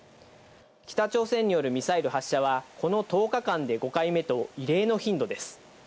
北朝鮮によるミサイル発射はこの１０日間で５回目と異例の頻度です。